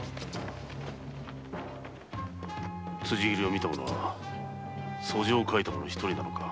つじ切りを見た者は訴状を書いた者一人なのだろうか。